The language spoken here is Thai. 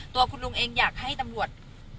ตัวคุณลุงเองอยากให้ตำรวจ